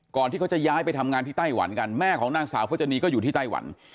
ที่เขาจะย้ายไปทำงานที่ไต้หวันกันแม่ของนางสาวพจนีก็อยู่ที่ไต้หวัน